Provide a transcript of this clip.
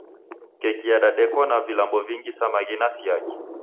Keki yadadekwa na vilambo vingi, sa maghi na siagi